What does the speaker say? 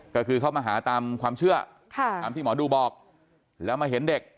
ก็คือเขามาหาตามความเชื่อตามที่หมอดูบอกแล้วมาเห็นเด็ก